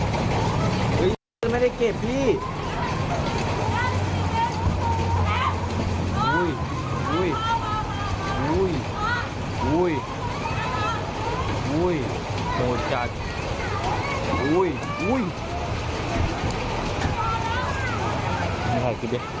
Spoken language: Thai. โอ้ยโอ้ยโกรธจักรโอ้ยโอ้ย